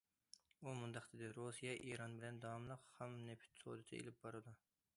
ئۇ مۇنداق دېدى: رۇسىيە ئىران بىلەن داۋاملىق خام نېفىت سودىسى ئېلىپ بارىدۇ.